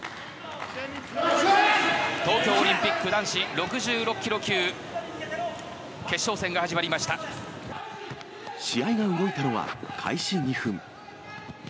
東京オリンピック男子６６キ試合が動いたのは、開始２分。